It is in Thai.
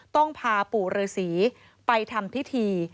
ต้องพาปู่ฤษีไปทำพิธี